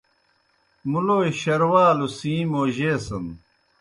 مُلوئے شروالوْ سِیں موجیسِن۔